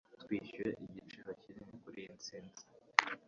Twishyuye igiciro kinini kuriyi ntsinzi.